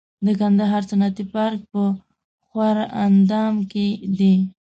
د کندهار صنعتي پارک په ښوراندام کې دی